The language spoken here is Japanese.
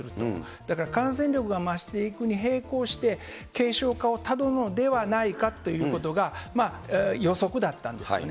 だから感染力が増していくに平行して、軽症化をたどるのではないかということが予測だったんですね。